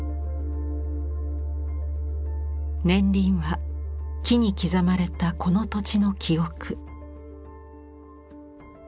年輪は木に刻まれたこの土地の記憶。